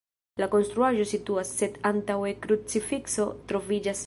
La konstruaĵo situas, sed antaŭe krucifikso troviĝas.